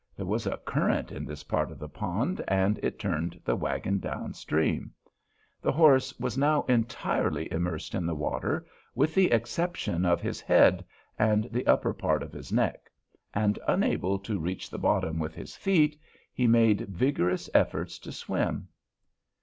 There was a current in this part of the pond and it turned the wagon downstream. The horse was now entirely immersed in the water, with the exception of his head and the upper part of his neck, and, unable to reach the bottom with his feet, he made vigorous efforts to swim.